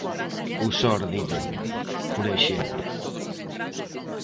O sórdido, por exemplo.